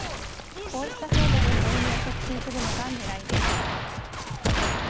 こうした制度で導入を促進するのがねらいです。